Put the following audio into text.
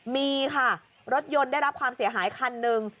มีค่ะรถยนต์ได้รับความเสียหายคันหนึ่ง